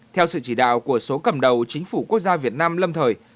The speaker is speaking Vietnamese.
theo sự chỉ đạo của số cầm đầu chính phủ quốc gia việt nam lâm thời